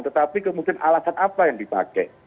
tetapi kemudian alasan apa yang dipakai